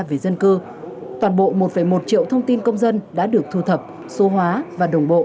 về dân cư toàn bộ một một triệu thông tin công dân đã được thu thập số hóa và đồng bộ